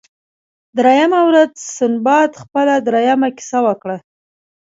دریمه ورځ سنباد خپله دریمه کیسه وکړه.